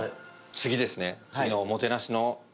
次ですね